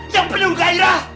yang penyunggah irah